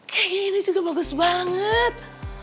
kayak ini juga bagus banget